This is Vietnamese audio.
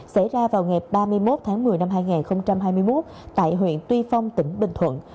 xảy ra vào ngày ba mươi một tháng một mươi năm hai nghìn hai mươi một tại huyện tuy phong tỉnh bình thuận